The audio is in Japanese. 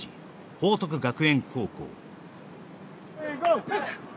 報徳学園高校